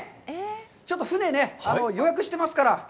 ちょっと船を予約してますから。